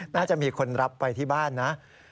น่าจะมีคนรับไปที่บ้านนะ